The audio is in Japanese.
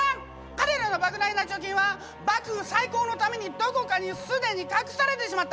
彼らのばく大な貯金は幕府再興のためにどこかに既に隠されてしまった！